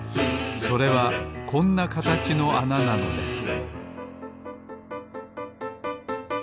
それはこんなかたちのあななのです